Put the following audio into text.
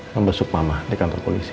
membesuk mama di kantor polisi